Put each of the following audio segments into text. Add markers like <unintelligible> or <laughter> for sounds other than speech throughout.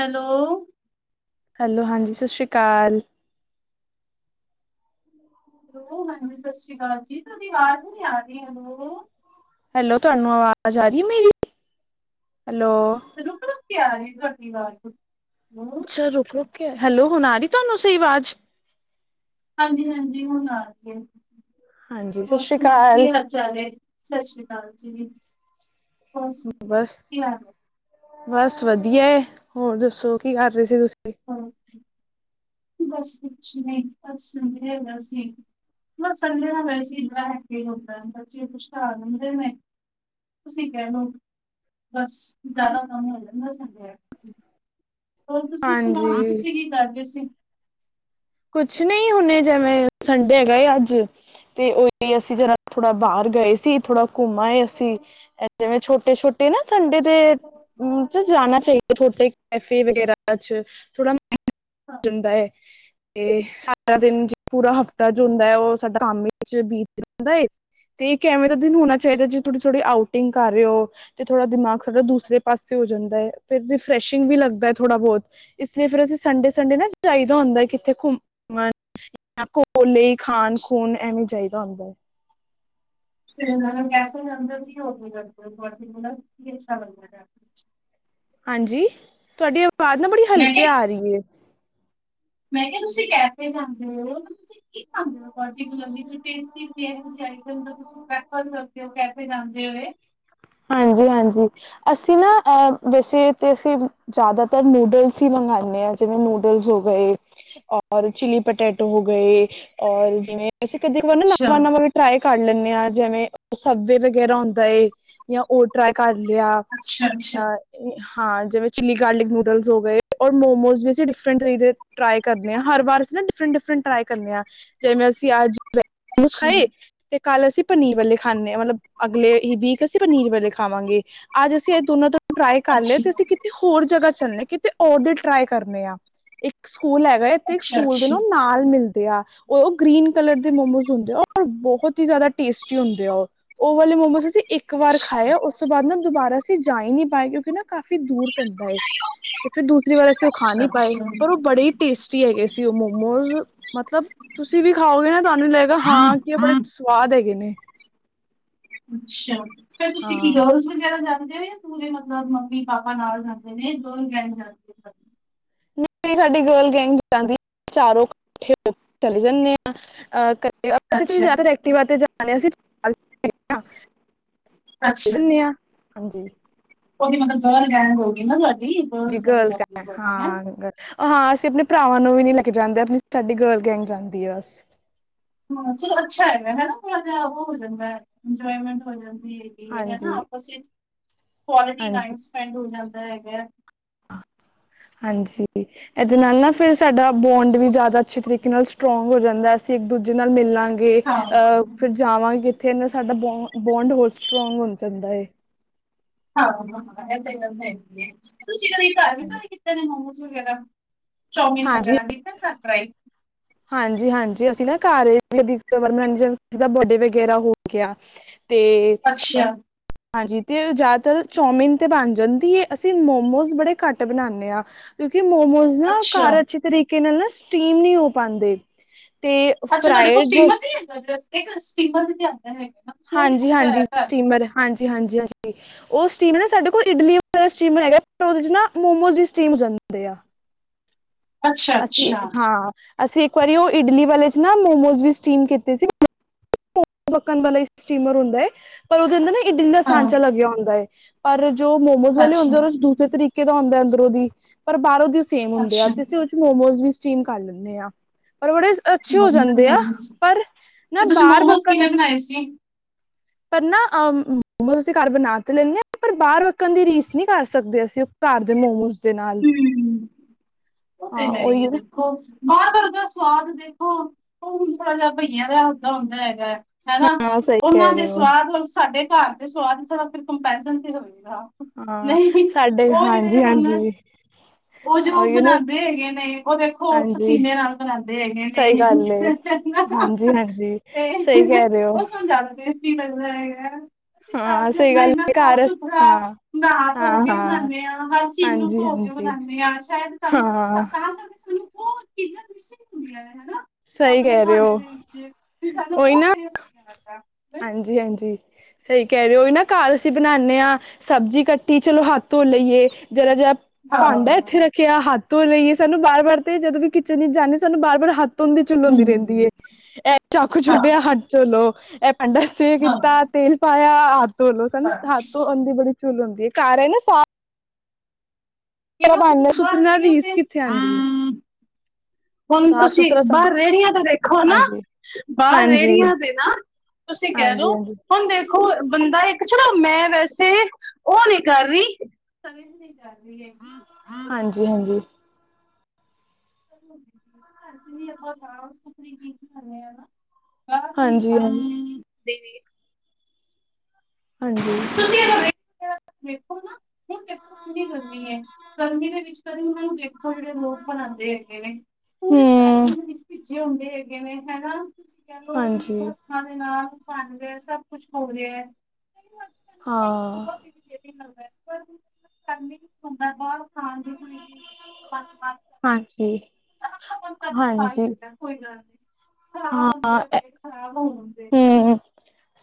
Hello, hello ਹਾਂਜੀ ਸਤਿ ਸ਼੍ਰੀ ਅਕਾਲ। ਮੈ ਸਤਿ ਸ੍ਰੀ ਅਕਾਲ ਜੀ ਤੁਹਾਡੀ ਆਵਾਜ਼ ਨੀ ਆ ਰੀ ਮੈਨੂੰ ਹੈਲੋ ਤੁਹਾਨੂੰ ਆਵਾਜ਼ ਆ ਰੀ ਐ ਮੇਰੀ ਹੈਲੋ। ਰੁਕ ਰੁਕ ਆ ਰੀ ਐ ਤੁਹਾਡੀ ਅਵਾਜ, ਅੱਛਾ ਰੁਕ ਰੁਕ ਕੇ ਹੈਲੋ ਹੁਣ ਆ ਰੀ ਤੁਹਾਨੂੰ ਸਹੀ ਆਵਾਜ਼, ਹਾਂਜੀ ਹਾਂਜੀ ਹੁਣ ਆਰੀ ਏ, ਹਾਂਜੀ ਸਤਿ ਹੋਰ ਸ਼੍ਰੀ ਸੁਣਾਓ ਅਕਾਲ ਕੀ ਹਾਲ? <unintelligible> ਸਤਿ ਸ਼੍ਰੀ ਅਕਾਲ ਜੀ ਹੋਰ ਸੁਣਾ ਬਸ ਕੀ ਹਾਲ? ਬਸ ਵਧੀਆ ਐ, ਹੋਰ ਦੱਸੋ ਕੀ ਕਰ ਰੇ ਸੀ ਤੁਸੀਂ ਹੂੰ, ਬਸ ਕੁਛ ਨੀ ਬਸ <unintelligible> ਹੈਗਾ ਸੀ। ਸੰਡੇ ਨਾਲ ਵੈਸੇ ਈ ਬੇਹ ਕੀ ਹੁੰਦਾ ਬੱਚੇ ਕੁਛ ਘਰ ਹੁੰਦੇ ਨੇ, ਤੁਸੀਂ ਕਹਿ ਲਓ, ਬਸ ਜ਼ਿਆਦਾ ਕੰਮ ਹੋ ਜਾਂਦਾ ਸਾਡਾ। ਹੋਰ ਤੁਸੀਂ ਸੁਣਾਓ ਹਾਂਜੀ ਤੁਸੀਂ ਕੀ ਕਰਦੇ ਸੀ? ਕੁਛ ਨੀ ਹੁਣੇੇ ਜਿਵੇਂ ਸੰਡੇ ਹੈਗਾ ਏ ਅੱਜ ਤੇ ਉਹੀ ਅਸੀਂ ਅਜ ਥੋੜਾ ਬਾਰ ਗਏ ਸੀ ਥੋੜਾ ਘੁੰਮ ਆਏ ਸੀਂ। ਜਿਵੇਂ ਛੋਟੇ-ਛੋਟੇ ਨਾ ਸੰਡੇ ਅੱਛਾ, ਦੇ ਜਾਣਾ ਚਾਹੀਦਾ, ਥੋਡੇ ਕੈਫੇ ਵਗੈਰਾ ਚ ਥੋੜਾ ਮਾਈਡ ਸੈਟ ਹੋ ਜਾਂਦਾ ਐ। ਤੇ ਸਾਰਾ ਹਾਂ, ਦਿਨ ਪੂਰਾ ਹਫ਼ਤਾ ਜੋ ਹੁੰਦਾ ਐ ਉਹ ਸਾਡਾ ਕੰਮ ਵਿੱਚ ਬੀਤ ਰਿੰਦਾ ਐ। ਤੇ ਇਕ ਐਵੇਂ ਦਾ ਦਿਨ ਹੋਣਾ ਚਾਹੀਦਾ ਜੇ ਥੋੜੀ ਥੋੜ੍ਹੀ ਆਊਟਿੰਗ ਕਰ ਰੇ ਔ ਤੇ ਥੋੜਾ ਦਿਮਾਗ ਸਾਡਾ ਦੂਸਰੇ ਪਾਸੇ ਹੋ ਜਾਂਦਾ ਏ। ਫੇਰ ਰਿਫਰੈਸ਼ਿੰਗ ਵੀ ਲੱਗਦਾ ਐ ਥੋੜਾ ਬਹੁਤ ਇਸ ਲਈ ਫੇਰ ਅਸੀਂ ਸੰਡੇ ਸੰਡੇ ਨਾ ਜਹੀਦਾ ਹੁੰਦਾ ਐ। ਥੇ ਘੁੰਮਣ ਕੋਲੇ ਖਾਣ ਖੂਨ ਐਵੇਂ ਚਾਹੀਦਾ ਹੁੰਦਾ ਐ। ਸ਼੍ਰੀਨਗਰ ਕੈਫੇ ਅੰਦਰ ਕੀ ਹੋਵੇਲ ਕੀ ਅੱਛਾ ਬਣਦਾ। ਹਾਂਜੀ ਤੁਹਾਡੀ ਆਵਾਜ਼ ਨਾ ਬੜੀ ਮੈਂ ਹਲਕੀ ਕਿਹਾ ਆ ਰੀ ਐ। ਮੈਂ ਕਿਹਾ ਤੁਸੀਂ ਕੈਫੇ ਜਾਂਦੇ ਔ, ਠੀਕ ਆ ਪਾਟੀ ਵੀ ਹੋ ਜਾਂਦੀ, ਟੈਸਟੀ ਵੀ <unintelligible> ਤੁਸੀਂ ਪ੍ਰੈਫਰ ਕਰਦੇ ਔ ਕੈਫੇ ਜਾਂਦੇ ਹੋਏ। ਹਾਂਜੀ-ਹਾਂਜੀ, ਅਸੀਂ ਨਾ ਅਹ ਵੈਸੇ ਤੇ ਅਸੀਂ ਜ਼ਿਆਦਾਤਰ ਨੂਡਲਸ ਈ ਮੰਗਵਾਦੇ ਆਾਂ ਜਿਵੇਂ ਨੂਡਲਸ ਹੋ ਗਏ। ਔਰ ਚਿਲੀ ਪਟੈਟੋ ਹੋ ਗਏ, ਔਰ ਜਿਵੇਂ ਅਸੀਂ ਕਦੇ ਵਾਰ ਨਾ ਅੱਛਾ ਨਵਾਂ ਨਵਾਂ ਵੀ ਟਰਾਏ ਕਰ ਲੈਂਨੇ ਆ ਜਿਵੇਂ ਸਬੇ ਵਗੈਰਾ ਹੁੰਦਾ ਏ। ਜਾਂ ਹੋਰ ਟਰਾਈ ਕਰ ਲਿਆ, ਅੱਛਾ ਅ ਅੱਛਾ ਹਾਂ ਜਿਵੇਂ ਚਿੱਲੀ ਗਾਰਲਿਕ ਨੂਡਲਸ ਹੋ ਗਏ, ਔਰ ਮੋਮੋਜ਼ ਵੀ ਅਸੀਂ ਡਿਫਰੈਂਟ ਤਰੀਕੇ ਦੇ ਟਰਾਈ ਕਰਦੇ ਆ ਹਰ ਵਾਰ ਅਸੀਂ ਨਾ ਡਿਫਰੈਂਟ ਡਿਫਰੈਂਟ ਟਰਾਈ ਕਰਦੇ ਆ ਜਿਵੇਂ ਅਸੀਂ ਅੱਜ ਅੱਛਾ ਖਾਏ, ਤੇ ਕੱਲ ਅਸੀਂ ਪਨੀਰ ਵਾਲੇ ਖਾਨੇ ਆ, ਮਤਲਬ ਅਗਲੇ ਈ ਵੀਕ ਅਸੀਂ ਪਨੀਰ ਵਾਲੇ ਖਾਵਾਂਗੇ, ਅੱਜ ਅਸੀਂ ਇਹ ਦੋਨਾਂ ਤੋਂ ਟਰਾਈ ਅੱਛਾ ਕਰ ਲਿਆ ਤੇ ਅਸੀਂ ਅੱਛਾ ਹੋਰ ਜਗ੍ਹਾ ਚੱਲਣੇ ਕਿਤੇ ਹੋਰ ਦੇ ਟਰਾਈ ਕਰਨੇ ਆ ਇੱਕ ਸਕੂਲ ਹੈਗਾ ਐ। ਤੇ ਅੱਛਾ ਸਕੂਲ ਦੇ ਅੱਛਾ ਇਕ ਨਾਲ ਮਿਲਦੇ, ਆ ਉਹ ਗ੍ਰੀਨ ਕਲਰ ਦੇ ਮੋਮੋਜ਼ ਹੁੰਦੇ ਆ ਬਹੁਤ ਈ ਜ਼ਿਆਦਾ ਟੇਸਟੀ ਹੁੰਦੇ ਆ ਉਹ ਓ ਵਾਲੇ ਮੋਮੋਜ ਅਸੀਂ ਏਕ ਇੱਕ ਵਾਰ ਖਾਏ ਉਸ ਤੋਂ ਬਾਦ ਨਾ ਦੁਬਾਰਾ ਅਸੀਂ ਜਾ ਈ ਨੀ ਪਾਏ ਕਿਉਂਕਿ ਨਾ ਕਾਫ਼ੀ ਦੂਰ ਪੈਂਦਾ ਏ। ਤੇ ਫੇਰ ਦੂਸਰੀ ਵਾਰ ਅਸੀਂ ਓ ਖਾਂ ਨੀ ਪਾਏ ਅੱਛਾ ਪਰ ਓ ਬੜੇ ਈ ਟੇਸਟੀ ਹੈਗੇ ਸੀ ਓ ਮੋਮੋਜ਼, ਮਤਲਬ ਤੁਸੀਂ ਵੀ ਖਾਓਗੇ ਨਾ ਤੁਆਨੂੰ ਵੀ ਲਗੇਗਾ ਹਾਂ ਕੀ ਓ ਬੜੇ ਸੁਆਦ ਹੈਗੇ ਨੇ। ਅੱਛਾ, ਫੇਰ ਤੁਸੀਂ ਕੀ ਹਾਂ ਕਰ ਰੇ <unintelligible> ਵਗੈਰਾ ਜਾਂਦੇ ਨੇ ਪੂਰੇ ਮਤਲਬ ਮੰਮੀ, ਪਾਪਾ ਨਾਲ ਜਾਂਦੇ ਨੇ ਦੋਨ ਨਾਲ ਜਾਂਦੇ। ਹੋ ਨਹੀਂ ਸਾਡੀ ਗਰਲ ਗੈਂਗ ਜਾਂਦੀ ਏ ਚਾਰੋਂ ਕੱਠੇ ਹੋ ਕੇ ਚਲੇ ਜਾਂਨੇ ਆ ਅ ਅਸੀਂ ਤੇ ਅੱਛਾ ਜਾਦਾਤਰ ਐਕਟਿਵਾ ਤੇ ਜਾਣੇ ਆ ਅਸੀ <unintelligible> <unintelligible> ਚੱਲੇ ਜਾਨੇ ਆ, ਹਾਂਜੀ। ਓਦੀ ਮਤਲਬ ਗਰਲ ਗੈਂਗ ਹੋ ਗੀ ਨਾ ਤੁਆਡੀ। ਜੀ ਗਰਲਸ ਗੈਂਗ, ਹਾਂ ਗ ਓ ਹਾਂ ਅਸੀਂ ਅਪਨੇ ਭਰਾਵਾਂ ਨੂੰ ਵੀ ਨੀ ਲੈ ਕੇ ਜਾਂਦੇ ਅਪਨੀ ਸਾਡੀ ਗਰਲ ਗੈਂਗ ਜਾਂਦੀ ਏ ਬਸ। ਹਾਂ, ਚਲੋ ਅੱਛਾ ਹੈਗਾ। ਹੈਨਾ ਥੋੜਾ ਜਿਆ ਓ ਹੋ ਜਾਂਦਾ ਇੰਜੋਏਮੈਂਟ ਹੋ ਜਾਂਦੀ ਏ। ਹੈਨਾ ਹਾਂਜੀ, ਆਪਸ ਵਿੱਚ ਕੁਆਲਿਟੀ ਟਾਈਮ ਹਾਂਜੀ, ਸਪੈਂਡ ਹੋ ਜਾਂਦਾ ਹੈਗੈ। ਹਾਂਜੀ ਜੀ। ਐਦੇ ਨਾਲ ਨਾ ਫੇਰ ਸਾਡਾ ਬੋਂਡ ਵੀ ਜਾਦਾ ਅੱਛੇ ਤਰੀਕੇ ਨਾਲ ਸਟਰੋਂਗ ਹੋ ਜਾਂਦੈ ਅਸੀਂ ਇੱਕ ਦੂਜੇ ਨਾਲ ਮਿਲਾਂ ਗੇ, ਹਾਂ ਅ ਫਿਰ ਜਾਵਾਂਗੇ ਕਿੱਥੇ ਏਦੇ ਨਾ ਸਾਡਾ ਬੋ-ਬੋਂਡ ਹੋਰ ਸਟਰੋਂਗ ਹੋ ਜਾਂਦਾ ਏ। ਆਹੋ ਐ ਤੇ ਗੱਲ ਹੈਗੀ ਏ। ਤੁਸੀਂ ਕਦੀ ਘਰ ਵੀ ਟਰਾਈ ਕੀਤੇ ਨੇ ਮੋਮੋਸ ਵਗੈਰਾ, ਚੌਮੀਨ ਵਗੈਰਾ ਕੀਤਾ ਘਰ ਟਰਾਈ? <inaudible> ਹਾਂਜੀ-ਹਾਂਜੀ, ਅਸੀਂ ਨਾ ਘਰ ਵੀ ਕਦੀ ਮਨੋਰੰਜਨ, ਕਿਸੇ ਦਾ ਬਡੇ ਵਗੈਰਾ ਹੋ ਗਿਆ। ਤੇ ਅੱਛਾ। ਹਾਂਜੀ ਤੇ ਓ ਜਾਦਾਤਰ ਚੌਮਿਨ ਤੇ ਬਣ ਜਾਂਦੀ ਏ, ਅਸੀਂ ਮੋਮੋਜ਼ ਬੜੇ ਘੱਟ ਬਨਾਨੇ ਆ। ਕਿਉਂਕਿ ਮੋਮੋਜ਼ ਨਾ ਅੱਛਾ ਘਰ ਅੱਛੇ ਤਰੀਕੇ ਨਾਲ ਨਾ ਸਟੀਮ ਨੀ ਹੋ ਪਾਂਦੇ। ਤੇ ਫਰਾਏ ਜੋ ਏਕ ਸਟੀਮਰ ਵੀ ਤੇ ਆਂਦਾ ਹੈਗਾ ਨਾ। ਤੁਸੀਂ ਉਹ ਨਹੀਂ ਰੱਖਿਆ ਹੋਇਆ ਹਾਂਜੀ-ਹਾਂਜੀ ਸਟੀਮਰ। ਹਾਂਜੀ-ਹਾਂਜੀ-ਹਾਂਜੀ। ਓ ਸਟੀਮ ਨਾ ਸਾਡੇ ਕੋਲ ਇਡਲੀਆਂ ਵਾਲਾ ਸਟੀਮਰ ਹੈਗੈ ਉਦੇ ਚ ਨਾ ਮੋਮੋਜ਼ ਵੀ ਸਟੀਮ ਹੋ ਜਾਂਦੇ ਆ। ਘਰ ਅੱਛਾ ਅਸੀਂ ਅੱਛਾ ਹਾਂ, ਅਸੀਂ ਇੱਕ ਵਾਰੀ ਓ ਇਡਲੀ ਵਾਲੇ ਚ ਨਾ ਮੋਮੋਜ਼ ਵੀ ਸਟੀਮ ਕੀਤੇ ਸੀ। ਢਕਣ ਵਾਲਾ ਈ ਸਟੀਮਰ ਹੁੰਦਾ ਏ ਪਰ ਉਦੇ ਅੰਦਰ ਨਾ ਇਡਲੀ ਦਾ ਹਾਂ ਸਾਂਚਾ ਲੱਗਿਆ ਹੁੰਦਾ ਏ। ਪਰ ਜੋ ਮੋਮੋਸ ਵਾਲੇ ਅੱਛਾ ਹੁੰਦੇ ਓਦੇ ਚ ਦੂਸਰੇ ਤਰੀਕੇ ਦਾ ਹੁੰਦੈ ਅੰਦਰੋਂ ਦੀ ਪਰ ਬਾਹਰੋਂ ਦੀ ਓ ਸੇਮ ਹੁੰਦੇ ਆ, ਅੱਛਾ ਤੇ ਅਸੀਂ ਉਦੇ ਮੋਮੋਜ਼ ਵੀ ਸਟੀਮ ਕਰ ਲੈਂਨੇ ਆ ਪਰ ਬੜੇ ਅੱਛੇ ਹੋ ਵਧੀਆ ਗੱਲ ਜਾਂਦੇ ਆ ਹੈ ਜੀ। ਪਰ ਨਾ ਤੇ ਤੁਸੀਂ ਬਾਹਰ ਮੋਮੋਜ਼ ਪੱਕਣ ਕਿਵੇਂ ਬਣਾਏ ਸੀ? ਪਰ ਨਾ ਅ ਮੋਮੋਸ ਅਸੀ ਘਰ ਬਣਾ ਤੇ ਲੈਂਨੇ ਆ ਪਰ ਬਾਅਰ ਵੱਕਨ ਦੀ ਰੀਸ ਨੀ ਕਰ ਸਕਦੇ ਅਸੀਂ ਓ ਘਰ ਦੇ ਮੋਮੋਸ। ਦੇ ਨਾਲ। ਹੂੰ, ਓ ਤੇ ਹਾਂ ਹੈ ਈ ਉਹੀ ਏ ਨਾ ਫੇਰ। ਓ ਬਾਅਰ ਦੇ ਵਰ ਦਾ ਸੁਆਦ ਦੇਖੋ ਓ ਹੁਨ ਥੋੜਾ ਜਿਆ ਭਈਆਂ ਦੇ ਹੱਥ ਦਾ ਹੁੰਦਾ ਹੈਗਾ। ਹੈਨਾ! ਹਾਂ ਸਹੀ ਉਨਾਂ ਕਹਿ ਦੇ ਰਹੇ ਹੋ ਸੁਆਦ ਓਰ ਸਾਡੇ ਘਰ ਦੇ ਸੁਆਦ ਥੋੜਾ ਫੇਰ ਕੰਪੈਰੀਜਨ ਤੇ ਹੋਏਗਾ। ਹਾਂ, ਨਹੀਂ ਸਾਡੇ ਹਾਂਜੀ-ਹਾਂਜੀ। ਓ ਜੋ ਬਨਾਂਦੇ ਹੈਗੇ ਨੇ ਓ ਦੇਖੋ ਹਾਂਜੀ ਪਸੀਨੇ ਨਾਲ ਬਨਾਂਦੇ ਹੈਗੇ ਨੇ। ਹਾਂਜੀ-ਹਾਂਜੀ, ਸਈ ਕੈ ਰੇ ਓ। ਕੀ ਲੱਗਦਾ ਹੈਗਾ ਘਰ ਤੇ ਸਹੀ ਅਪਣਾ ਗੱਲ ਏਨਾ ਸਾਫ਼- ਘਰ ਹਾਂ ਸੁਥਰਾ, ਨਾਂਅ- ਹਾਂ ਧੋ ਕੇ ਹਾਂ ਬਨਾਨੇ ਆ ਹਰ ਚੀਜ਼ ਨੂੰ। ਹਾਂਜੀ ਧੋ ਕੇ ਹਾਂਜੀ ਬਣਾਨੇ ਆ ਸ਼ਾਇਦ ਤੁਹਾਨੂੰ ਤਾਂ ਹਾਂ ਕਰਕੇ ਸਾਨੂੰ ਉਹ ਚੀਜ਼ਾਂ ਮਿਸਗ ਹੁੰਦੀਆਂ ਨੇ ਹਨਾ। ਸਹੀ ਆਪਣੇ ਕਹਿ ਰਹੇ ਖਾਣੇ ਹੋ ਦੇ ਵਿੱਚ, ਫਿਰ ਸਾਨੂੰ ਬਹੁਤ ਟੇਸਟ ਨੀ ਲੱਗਦਾ। ਹਾਂਜੀ-ਹਾਂਜੀ। ਸਹੀ ਕਹਿ ਰਹੇ ਹੋ ਉਹੀ ਨਾ ਘਰ ਅਸੀਂ ਬਣਾਨੇ ਆ, ਸਬਜ਼ੀ ਕੱਟੀ ਚਲੋ ਹੱਥ ਧੋ ਲਈਏ ਜਰਾ ਜਾ ਭਾਂਡਾ ਹਾਂ ਇੱਥੇ ਰੱਖਿਆ ਹੱਥ ਧੋ ਲਈਏ ਸਾਨੂੰ ਵਾਰ-ਵਾਰ ਤੇ ਜਦੋਂ ਵੀ ਕਿਚਨ ਵਿੱਚ ਜਾਨੇ ਸਾਨੂੰ ਵਾਰ-ਵਾਰ ਹੱਥ ਤੁੰਦੀ ਚੁੱਲ ਹੁੰਦੀ ਰਹਿੰਦੀ ਏ। ਹੂੰ ਐ ਚਾਕੂ ਹਾਂ ਛੱਡਿਆ ਹੱਥ ਚੁੱਲੋ ਇਹ ਪਿੰਡਾ ਸਹੀ ਹਾਂ ਕੀਤਾ ਤੇਲ ਪਾਇਆ ਹੱਥ ਧੋਲੋ ਸਾਨੂੰ ਹੱਥ ਬਸ। ਧੋਨ ਦੀ ਬੜੀ ਚੁਲ ਹੁੰਦੀ ਏ ਘਰ ਏ ਨਾ ਸਾ ਕਿਹਾ ਤੇ ਭਾਂਡਾ ਤੁਸੀਂ ਸੁਥਰੇ ਬਾਹਰ <unintelligible> ਨਾਲ ਰੀਸ ਜਾਂਦੇ। ਕਿੱਥੇ ਆਉਂਦੀ ਹੈ ਹੁਣ ਸਾਫ਼ ਤੁਸੀਂ ਸੁਥਰਾ ਸਾਨੂੰ ਬਾਹਰ ਰੇੜੀਆਂ ਤੇ ਦੇਖੋ ਨਾ ਹਾਂਜੀ ਬਾਹਰ ਹਾਂਜੀ ਰੇੜੀਆਂ ਦੇ ਨਾ, ਤੁਸੀਂ ਕਹਿ ਹਾਂਜੀ ਲਓ ਹਾਂਜੀ ਹੁਣ ਦੇਖੋ ਬੰਦਾ ਇੱਕ ਚਲੋ ਮੈਂ ਵੈਸੇ, ਉਹ ਨੀ ਕਰ ਰਹੀ ਕੀ ਕਰ ਰਹੀ ਏ? ਹਾਂਜੀ-ਹਾਂਜੀ। ਅੱਜ ਵੀ ਆਪਾਂ ਸਾਫ਼-ਸੁਥਰੀ <unintelligible> ਖਾਨੇ ਆ ਨਾ। ਹਾਂਜੀ ਹਾਂਜੀ <unintelligible> ਹਾਂਜੀ। ਤੁਸੀਂ <unintelligible> ਦੇਖੋ ਨਾ, ਹੁਣ ਦੇਖੋ ਕਿੰਨੀ ਗਰਮੀ ਐ, ਗਰਮੀ ਦੇ ਵਿੱਚ ਕਦੀ ਉਹਨਾਂ ਨੂੰ ਦੇਖ ਹੁਣ ਜਿਹੜੇ ਲੋਕ ਬਣਾਦੇ ਹੈਗੇ ਨੇ, ਪੂਰੀ ਹਮ ਸਵੈਟਿੰਗ ਦੇ ਵਿੱਚ ਭਿੱਜੇ ਹੁੰਦੇ ਹੈਗੇ ਨੇ ਹੈਨਾ। ਤੁਸੀਂ ਕਹਿ ਲਓ ਵੀ ਹਾਂਜੀ ਹੱਥਾਂ ਦੇ ਨਾਲ ਬਣ ਰਹੇ ਸਭ ਕੁਛ ਹੋ ਰਿਹਾ। ਕਈ ਵਾਰ ਹਾਂ ਬਹੁਤ ਇਰੀਟੈਟਿੰਗ ਲੱਗਦਾ, ਪਰ ਗਰਮੀ ਚ ਹੁੰਦਾ ਕੌਣ ਥਾਂ ਦੀ ਥੋੜੀ ਜੀ ਜਿਹੀ ਹਾਂਜੀ <unintelligible> ਕਰਕੇ ਖਾ ਹੀ ਹਾਂਜੀ ਜਾਂਦਾ। ਕੋਈ ਗੱਲ ਨੀ, ਖ਼ਰਾਬ ਹੁੰਦਾ ਤੇ ਪੇਟ ਖਰਾਬ ਹੋਣ ਦੇ। ਹੂੰ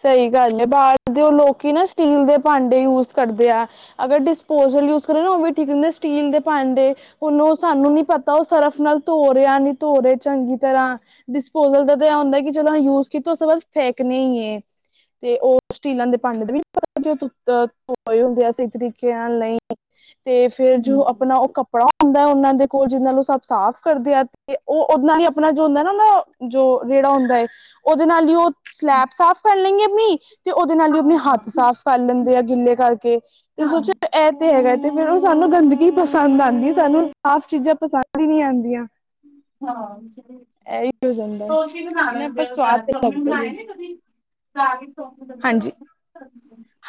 ਸਹੀ ਗੱਲ ਏ ਬਾਹਰ ਦੇ ਉਹ ਲੋਕ ਹੀ ਨਾ ਸਟੀਲ ਦੇ ਭਾਂਡੇ ਯੂਜ ਕਰਦੇ ਆ। ਅਗਰ ਡਿਸਪੋਜਲ ਯੂਜ ਕਰੋ ਨਾ ਉਹ ਵੀ ਠੀਕ ਰਹਿੰਦਾ ਸਟੀਲ ਦੇ ਭਾਂਡੇ ਉਹਨੂੰ ਸਾਨੂੰ ਨੀ ਪਤਾ ਉਹ ਸਰਫ ਨਾਲ ਧੋ ਰਿਹਾ ਨਹੀਂ ਧੋ ਰਹੇ ਚੰਗੀ ਤਰ੍ਹਾਂ ਡਿਸਪੋਜਲ ਦਾ ਤਾਂ ਇਹ ਹੁੰਦਾ ਕਿ ਚਲੋ ਯੂਜ ਕੀਤਾ ਉਸ ਤੋਂ ਬਾਅਦ ਫੇਕਣੇ ਹੀ ਏ। ਤੇ ਉਹ ਸਟੀਲਾਂ ਦੇ ਭਾਂਡੇ ਦੇ ਵੀ ਨਹੀਂ ਪਤਾ ਕਿ ਉਹ ਤੋਏ ਹੁੰਦੇ ਆ ਸਹੀ ਤਰੀਕਿਆਂ ਨਾਲ ਨਹੀਂ। ਤੇ ਫੇਰ ਜੋ ਅ ਆਪਣਾ ਉਹ ਕੱਪੜਾ ਹੁੰਦਾ ਉਹਨਾਂ ਦੇ ਕੋਲ ਜਿਹਨਾਂ ਨੂੰ ਉਹ ਸਭ ਸਾਫ਼ ਕਰਦੇ ਆ ਤੇ ਉਹ ਉਹਨਾਂ ਨੇ ਆਪਣਾ ਜੋ ਹੁੰਦਾ ਨਾ ਜੋ ਰੇਹੜਾ ਹੁੰਦਾ ਏ, ਉਹਦੇ ਨਾਲ ਈ ਉਹ, ਸਲੈਬ ਸਾਫ਼ ਕਰ ਲੈਂਗੇ ਅੰਮੀ ਤੇ ਉਹਦੇ ਨਾਲ ਹੀ ਆਪਣੇ ਹਾਂ ਹੱਥ ਸਾਫ਼ ਕਰ ਲੈਂਦੇ ਆ ਗਿੱਲੇ ਕਰਕੇ, ਤੇ ਹਾਂ ਸੋਚਿਆ ਇਹ ਤੇ ਹੈਗਾ ਤੇ ਫਿਰ ਉਹ ਸਾਨੂੰ ਗੰਦਗੀ ਪਸੰਦ ਆਂਦੀ ਸਾਨੂੰ ਸਾਫ਼ ਚੀਜ਼ਾਂ ਪਸੰਦ ਹੀ ਨੀ ਆਂਦੀਆਂ। ਹਾਂ, ਹੋ ਜਾਂਦਾ ਹੋਰ ਕੀ ਬਨਾ ਇਹਨਾਂ ਪਰ ਲੈਂਦੇ ਓ ਸਵਾਦ ਘਰ? ਤੇ ਚੌਮਿਨ ਲੱਗਦਾ ਹੀ ਬਣਾਏ ਹੈ ਨੇ ਕਦੀ? ਰਾਗੀ ਚੌਮਿਨ ਕਦੀ ਹਾਂਜੀ। ਬਣਾਏ ਨੇ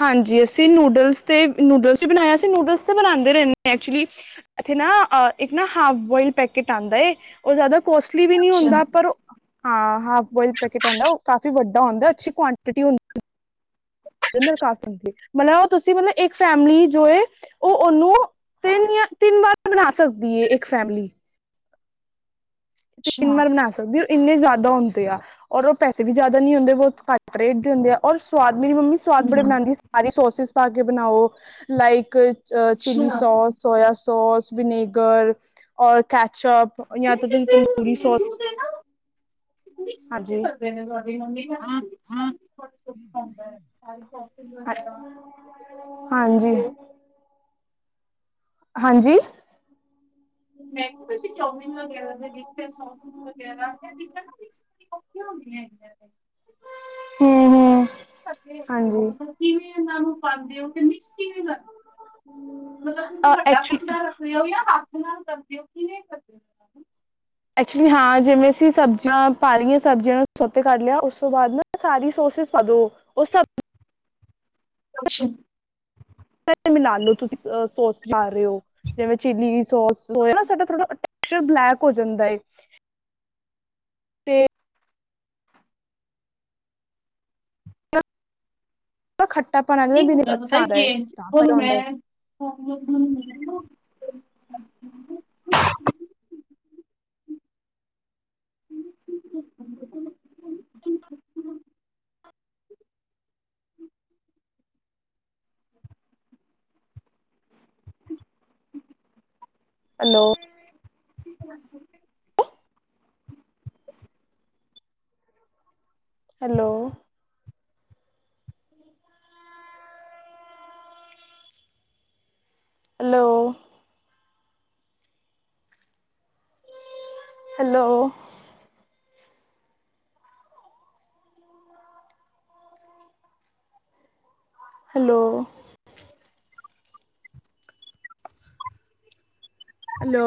ਹਾਂਜੀ ਅਸੀਂ ਨੂਡਲਸ ਤੇ ਨੂਡਲਸ ਈ ਬਣਾਏ ਅਸੀਂ ਨੂਡਲਸ ਤੇ ਬਣਾਦੇ ਰਹਿੰਨੇ ਆ ਐਕਚੁਲੀ ਇੱਥੇ ਨਾ ਅ ਇੱਕ ਨਾ ਹਾਫ ਬੋਇਲ ਪੈਕੇਟ ਆਂਦਾ ਏ, ਉਹ ਜ਼ਿਆਦਾ ਕੋਸਟਲੀ ਵੀ ਨਹੀਂ ਅੱਛਾ ਹੁੰਦਾ ਪਰ ਉਹ ਹਾਂ ਹਾਫ ਬੋਇਲ ਪੈਕਟ ਆਂਦਾ ਉਹ ਕਾਫ਼ੀ ਵੱਡਾ ਹੁੰਦਾ ਅੱਛੀ ਕੁਆਂਟਟੀ ਹੁੰਦੀ ਉਹਦੇ ਨਾਲ ਕਾਫੀ ਹੁੰਦੀ, ਮਤਲਬ ਉਹ ਤੁਸੀਂ ਮਤਲਬ ਇੱਕ ਫੈਮਿਲੀ ਜੋ ਏ ਉਹ ਉਹਨੂੰ ਤਿੰਨ ਜਾਂ ਤਿੰਨ ਵਾਰ ਬਣਾ ਸਕਦੀ ਏ ਇੱਕ ਫੈਮਿਲੀ। ਤਿੰਨ ਅੱਛਾ ਨਾਲ ਬਣਾ ਸਕ ਸਕਦੀ ਉਹ ਇੰਨੇ ਜ਼ਿਆਦਾ ਹੁੰਦੇ ਆ, ਔਰ ਉਹ ਪੈਸੇ ਵੀ ਜ਼ਿਆਦਾ ਨੀ ਹੁੰਦੇ ਬਹੁਤ ਘੱਟ ਰੇਟ ਦੇ ਹੁੰਦੇ ਆ- ਔਰ ਸਵਾਦ ਮੇਰੀ ਮੰਮੀ ਸਵਾਦ ਬੜੇ ਬਣਾਦੀ ਸੀ ਸਾਰੇ ਸੋਸਸ ਪਾ ਕੇ ਬਣਾਓ, ਲਾਈਕ ਅ ਚਿਲੀ ਅੱਛਾ ਸੋਸ, ਸੋਇਆ ਸੋਸ, ਵਿਨੇਗਰ ਔਰ ਕੈਚਅਪ ਯਾ ਨਹੀਂ ਤੇ ਤੁਹੀ ਪੇ ਫਿਰ ਮੈਨੂੰ ਤੇ ਨਾ ਮਿਕਸੀ ਚ ਹਾਂਜੀ ਕਰਦੇ ਨੇ <inaudible> ਮੰਮੀ ਔਖਾ ਹੁੰਦਾ ਐ ਸਾਰੇ ਸੋਸੇਸ ਹਾਂ ਵਗੈਰਾ ਮਿਕਸ ਹਾਂਜੀ ਕਰਦੇ ਐ ਹਾਂਜੀ। ਮੈਂ ਕਿਹਾ ਤੁਸੀਂ ਚੋਮੀਨ ਵਗੈਰਾ ਦੇ ਵਿੱਚੇ ਸੋਸ <unintelligible> ਹਮ ਹਮ ਹਾਂਜੀ <unintelligible> ਕਿਵੇਂ ਇਹਨਾਂ ਨੂੰ ਪਾਂਦੇ ਓ ਤੇ ਮਿਕਸ ਕਿਵੇਂ ਕਰਦੇ ਮਤਲਬ ਕਿ ਕੋਈ ਵੱਡਾ ਐਕਚੁਲੀ ਭਾਂਡਾ ਓ ਯਾਂ ਹੱਥ ਨਾਲ ਕਰਦੇ ਓ। ਐਕਚੁਲੀ ਹਾਂ ਜਿਵੇਂ ਅਸੀਂ ਸਬਜ਼ੀਆਂ ਪਾ ਲਈਏ ਸਬਜ਼ੀਆਂ ਨੂੰ ਸੋਤੇ ਕਰ ਲਿਆ ਉਸ ਤੋਂ ਬਾਅਦ ਨਾ ਸਾਰੀ ਸੋਸਿਸ ਪਾ ਦੋ ਉਹ ਸਭ ਅੱਛਾ। <inaudible> ਮਿਲਾ ਲੋ ਤੁਸੀਂ ਸੋਸ ਪਾ ਰਹੇ ਹੋ--ਜਿਵੇਂ ਚਿੱਲੀ ਜੀ ਸੋਸ, ਸੋਇਆ <unintelligible> ਫਿਰ ਉਹ ਬਲੈਕ ਹੋ ਜਾਂਦਾ ਏ ਤੇ ਤਾਂ ਖੱਟਾ ਪਨ ਕੀ ਹੁੰਦਾ ਪਤਾ ਏ ਚੇਂਜ ਹੁਣ ਮੈਂ <inaudible> ਹਮ। ਹੈਲੋ। ਕੀ ਕਰਾ ਸੀ। Hello. Hello hello. Hello, hello,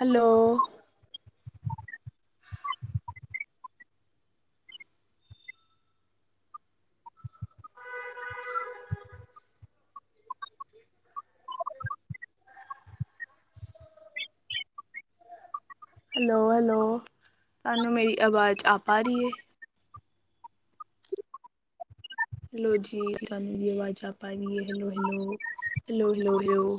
hello, hello, hello ਤਾਨੁ ਮੇਰੀ ਆਵਾਜ਼ ਆ ਪਾ ਰਹੀ ਏ। ਹੈਲੋ ਜੀ ਤਾਣੁ ਮੇਰੀ ਆਵਾਜ਼ ਆ ਪਾ ਰੀ ਐ hello, hello, hello, hello, hello.